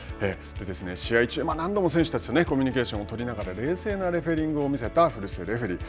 試合中、何度も選手たちとコミュニケーションを取りながら冷静なレフェリングを見せた古瀬レフェリー。